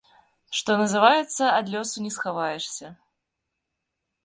Што называецца, ад лёсу не схаваешся.